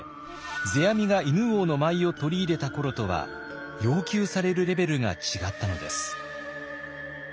世阿弥が犬王の舞を取り入れた頃とは要求されるレベルが違ったのです。